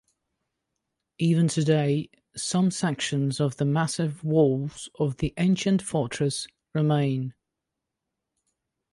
Even today, some sections of the massive walls of the ancient fortress remain.